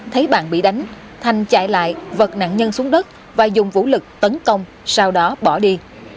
thấy bạn bị đánh thành chạy lại vật nạn nhân xuống đất và dùng vũ lực tấn công sau đó bỏ đi